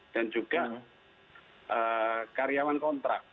dan juga karyawan kontrak